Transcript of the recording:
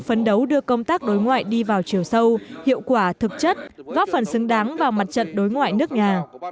phấn đấu đưa công tác đối ngoại đi vào chiều sâu hiệu quả thực chất góp phần xứng đáng vào mặt trận đối ngoại nước nhà